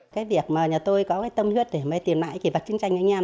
cái việc mà nhà tôi có cái tâm huyết để mới tìm lại kỷ vật chiến tranh anh em